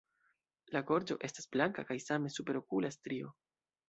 La gorĝo estas blanka kaj same superokula strio.